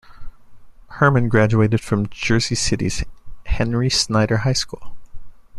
Herman graduated from Jersey City's Henry Snyder High School.